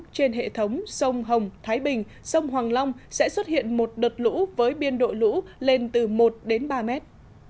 trên hệ thống sông hồng thái bình sông hoàng long sẽ xuất hiện một đợt lũ với biên độ lũ lên từ một đến ba mét